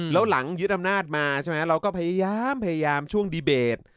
แล้วหลังยึดอำนาจมาใช่ไหมเราก็พยายามพยายามช่วงดีเบต